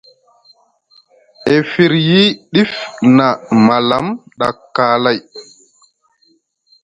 E firyi ɗif ma maalam ɗa kaalay.